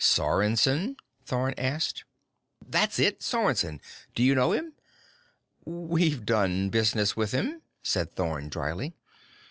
"Sorensen?" Thorn asked. "That's it! Sorensen! Do you know him?" "We've done business with him," said Thorn dryly.